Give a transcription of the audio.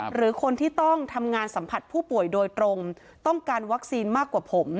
หรือคนที่ต้องทำงานสัมผัสผู้ป่วยโดยตรงต้องการวัคซีนมากกว่าผม